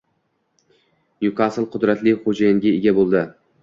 Nyukasl qudratli xo‘jayinga ega bo‘ldi